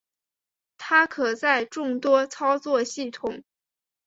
它可在众多操作系统。